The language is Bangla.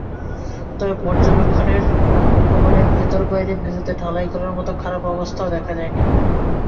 তবে পর্যবেক্ষণে ভবনের ভেতরে-বাইরে মেঝেতে ঢালাই করার মতো খারাপ অবস্থাও দেখা যায়নি।